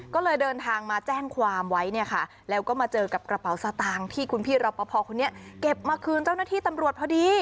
ก็เลยเดินทางมาแจ้งความไว้เนี่ยค่ะแล้วก็มาเจอกับกระเป๋าสตางค์ที่คุณพี่รอปภคนนี้เก็บมาคืนเจ้าหน้าที่ตำรวจพอดี